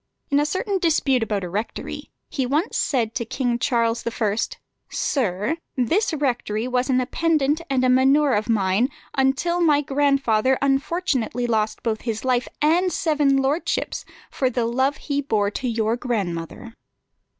In a certain dispute about a rectory, he once said to King Charles I.: "Sir, this rectory was an appendant and a manour of mine until my grandfather unfortunately lost both his life and seven lordships, for the love he bore to your grandmother."